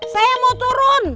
saya mau turun